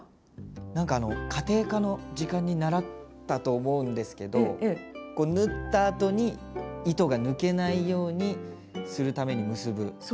何かあの家庭科の時間に習ったと思うんですけどこう縫ったあとに糸が抜けないようにするために結ぶ。